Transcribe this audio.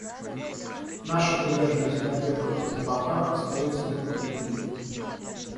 Наша приверженность борьбе против табака остается непоколебимой.